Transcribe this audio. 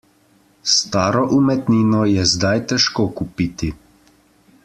Staro umetnino je zdaj težko kupiti.